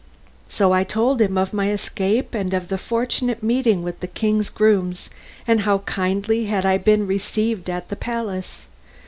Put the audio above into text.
So I told him of my escape and of my fortunate meeting with the king's grooms, and how kindly I had been received at the palace.